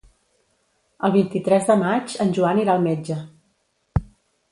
El vint-i-tres de maig en Joan irà al metge.